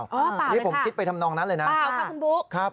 อ๋อเปล่าเลยค่ะเปล่าค่ะคุณบุ๊กนี่ผมคิดไปทำนองนัดเลยนะ